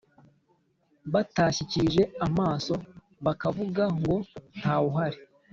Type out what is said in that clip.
Batanshyikirije amaso bakavuga ngo ntawuhari